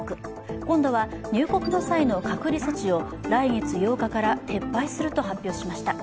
今度は入国の際の隔離措置を来月８日から撤廃すると発表しました。